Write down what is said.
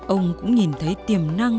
ông cũng nhìn thấy tiềm năng